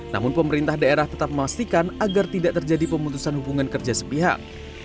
namun pemerintah daerah tetap memastikan agar tidak terjadi pemutusan hubungan kerja sepihak